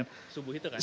setiap subuh itu kan